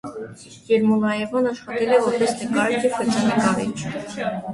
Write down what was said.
Երմոլաևան աշխատել է որպես նկարիչ և գծանկարիչ։